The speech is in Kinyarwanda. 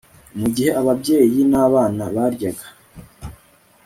Mu gihe ababyeyi nabana baryaga